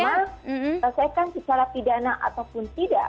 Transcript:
yang utama selesaikan secara pidana ataupun tidak